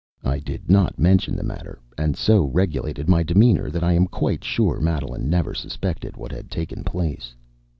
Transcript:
I did not mention the matter, and so regulated my demeanor that I am quite sure Madeline never suspected what had taken place.